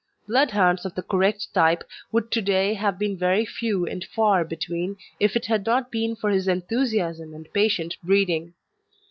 Bloodhounds of the correct type would to day have been very few and far between if it had not been for his enthusiasm and patient breeding.